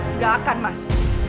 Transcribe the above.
nggak akan mas